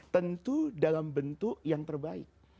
tentu dalam bentuk yang terbaik